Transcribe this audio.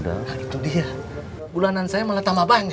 nah itu dia bulanan saya mengetahui banyaknya